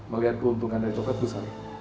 melihat keuntungan dari coklat besar